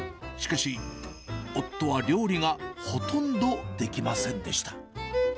しかし、夫は料理がほとんどできませんでした。